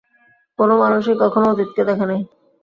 কোন মানুষই কখনও অতীতকে দেখে নাই।